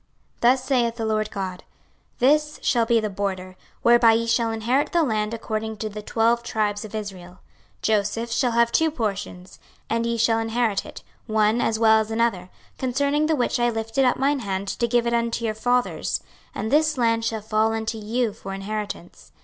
26:047:013 Thus saith the Lord GOD; This shall be the border, whereby ye shall inherit the land according to the twelve tribes of Israel: Joseph shall have two portions. 26:047:014 And ye shall inherit it, one as well as another: concerning the which I lifted up mine hand to give it unto your fathers: and this land shall fall unto you for inheritance.